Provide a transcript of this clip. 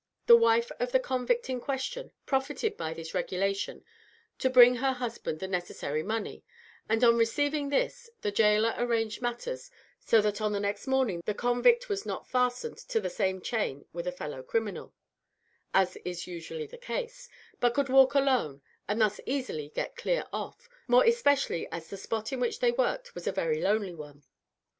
The wife of the convict in question profited by this regulation to bring her husband the necessary money; and on receiving this, the gaoler arranged matters so that on the next morning the convict was not fastened to the same chain with a fellow criminal, as is usually the case, but could walk alone, and thus easily get clear off, more especially as the spot in which they worked was a very lonely one.